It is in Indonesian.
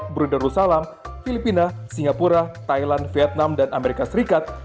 brunei darussalam filipina singapura thailand vietnam dan amerika serikat